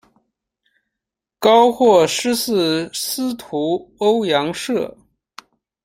高获师事司徒欧阳歙。